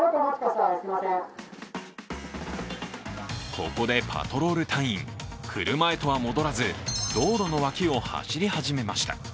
ここでパトロール隊員、車へとは戻らず道路の脇を走り始めました